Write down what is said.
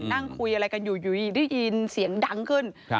นั่งคุยอะไรกันอยู่อยู่ได้ยินเสียงดังขึ้น